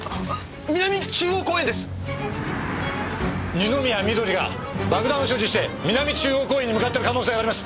二宮緑が爆弾を所持して南中央公園に向かってる可能性があります！